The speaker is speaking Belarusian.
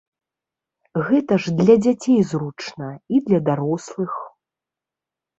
Гэта ж для дзяцей зручна, і для дарослых.